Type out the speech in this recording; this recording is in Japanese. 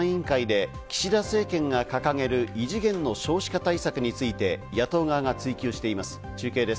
衆議院の予算委員会で岸田政権が掲げる異次元の少子化対策について野党側が追及しています。